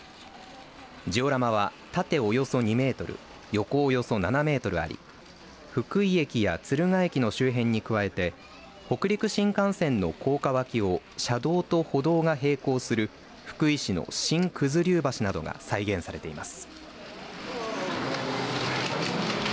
ジオラマは縦およそ２メートル横およそ７メートルあり福井駅や敦賀駅の周辺に加えて北陸新幹線の高架脇を車道と歩道が並行する福井市の新九頭竜橋などが再現されています。